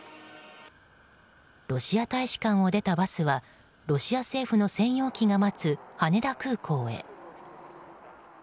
ロシア大使館を出たバスはロシア政府の専用機が待つ羽田空港へ。